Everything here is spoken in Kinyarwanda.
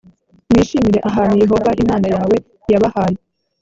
mwishimire ahantu yehova imana yawe yabahaye